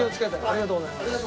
ありがとうございます。